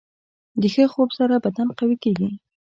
د ښه خوب سره بدن قوي کېږي.